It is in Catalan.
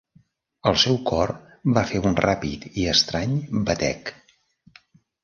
El seu cor va fer un ràpid i estrany batec.